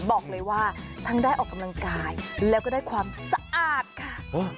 บอกเลยว่าทั้งได้ออกกำลังกายแล้วก็ได้ความสะอาดค่ะ